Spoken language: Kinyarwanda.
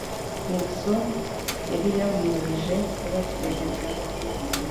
Nixon yariyamamarije kuba perezida